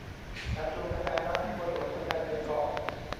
การชงกาแฟนั้น ควรบดกาแฟเสียก่อน